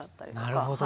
なるほど。